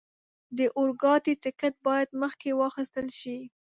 د اورګاډي ټکټ باید مخکې واخستل شي.